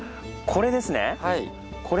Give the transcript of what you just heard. これです。